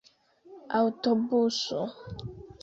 aŭtobuso